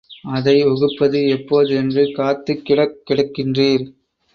அதை உகுப்பது எப்போது என்று காத்துக் கிடக் கிடக்கின்றீர்.